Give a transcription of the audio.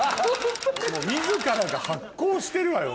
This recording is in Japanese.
自らが発光してるわよ